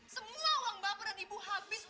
semua uang bapak dan ibu habis